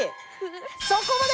そこまで！